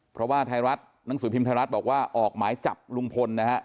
เพราะว่าไทยรัฐหนังสือพิมพ์ไทยรัฐบอกว่าออกหมายจับลุงพลนะฮะ